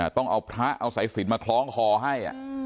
ต้องเอาพระเอาสายสินมาคล้องคอให้